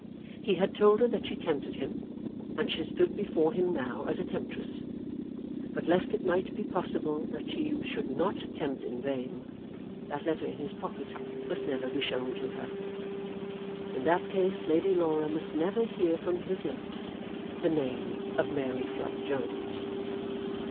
He had told her that she tempted him, and she stood before him now as a temptress. But lest it might be possible that she should not tempt in vain, that letter in his pocket must never be shown to her. In that case Lady Laura must never hear from his lips the name of Mary Flood Jones.